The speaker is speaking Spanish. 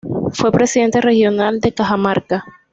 Fue Presidente Regional de Cajamarca.